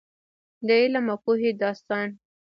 د علم او پوهې داستان.